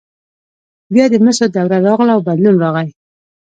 بیا د مسو دوره راغله او بدلون راغی.